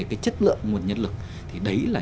cái chất lượng nguồn nhân lực thì đấy là